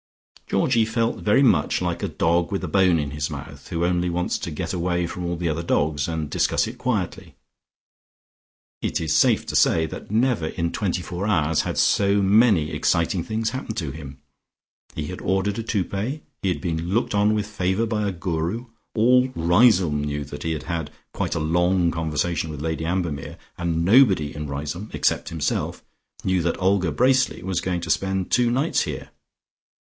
Georgie felt very much like a dog with a bone in his mouth, who only wants to get away from all the other dogs and discuss it quietly. It is safe to say that never in twenty four hours had so many exciting things happened to him. He had ordered a toupet, he had been looked on with favour by a Guru, all Riseholme knew that he had had quite a long conversation with Lady Ambermere and nobody in Riseholme, except himself, knew that Olga Bracely was going to spend two nights here.